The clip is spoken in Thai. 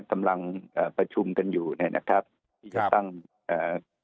ทำลังเอ่อประชุมกันอยู่เนี่ยนะครับครับตั้งเอ่อ